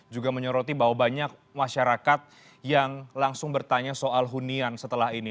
juga menyoroti bahwa banyak masyarakat yang langsung bertanya soal hunian setelah ini